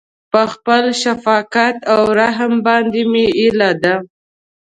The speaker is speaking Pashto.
په خپل شفقت او رحم باندې مې هيله ده.